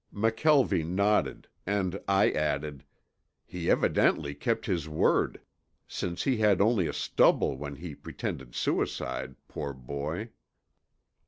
McKelvie nodded, and I added, "He evidently kept his word, since he had only a stubble when he pretended suicide, poor boy."